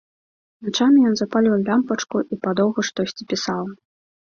Начамі ён запальваў лямпачку і падоўгу штосьці пісаў.